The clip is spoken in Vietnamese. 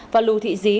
và lù thị dí